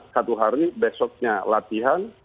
satu hari besoknya latihan